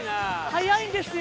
速いんですよ。